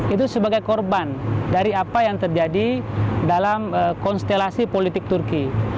itu sebagai korban dari apa yang terjadi dalam konstelasi politik turki